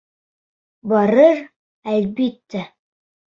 Барыр, әлбиттә.